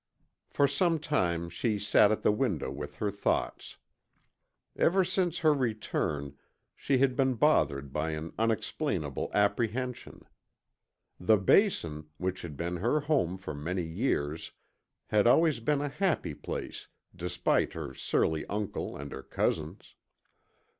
For some time she sat at the window with her thoughts. Ever since her return, she had been bothered by an unexplainable apprehension. The Basin, which had been her home for many years, had always been a happy place despite her surly uncle and her cousins.